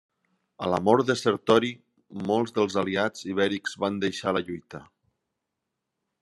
A la mort de Sertori, molts dels aliats ibèrics van deixar la lluita.